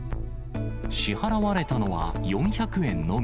支払われたのは４００円のみ。